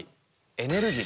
エネルギー。